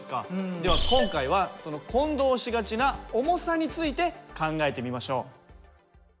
では今回はその混同しがちな「重さ」について考えてみましょう。